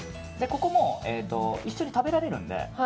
ここも一緒に食べられるので。